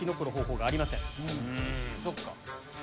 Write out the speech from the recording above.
そっか。